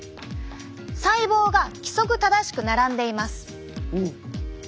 細胞が規則正しく並んでいます。